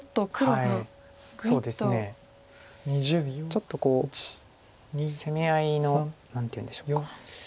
ちょっと攻め合いの何ていうんでしょうか。